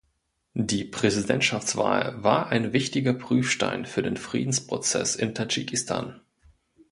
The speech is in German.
Die Präsidentschaftswahl war ein wichtiger Prüfstein für den Friedensprozess in Tadschikistan.